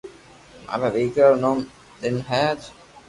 مارا ديڪرا رو جنم دن ھي آج